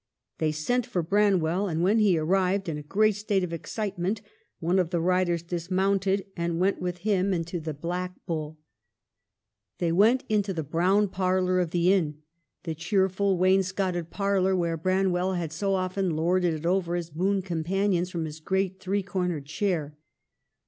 They sent for Branwell, and when he arrived, in a great state of excitement, one of the riders dis mounted and went with him into the "Black 13 194 EMILY BRONTE. Bull." They went into the brown parlor of the inn, the cheerful, wainscoted parlor, where Bran well had so often lorded it over his boon com panions from his great three cornered chair.